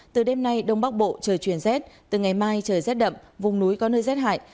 từ đêm nay đông bắc bộ trời chuyển rét từ ngày mai trời rét đậm vùng núi có nơi rét hại